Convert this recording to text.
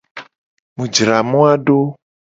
Mu jra moa do.